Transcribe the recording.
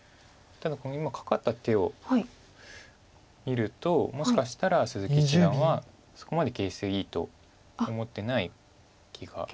ただこの今カカった手を見るともしかしたら鈴木七段はそこまで形勢いいと思ってない気が。